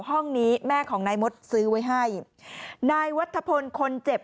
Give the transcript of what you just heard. ห้องนี้แม่ของนายมดซื้อไว้ให้นายวัฒพลคนเจ็บ